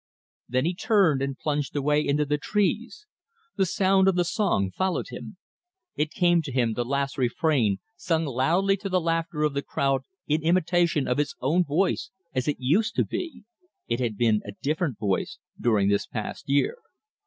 Then he turned and plunged away into the trees. The sound of the song followed him. It came to him, the last refrain, sung loudly to the laughter of the crowd, in imitation of his own voice as it used to be it had been a different voice during this past year.